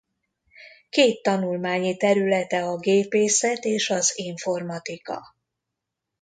Két tanulmányi területe a gépészet és az informatika.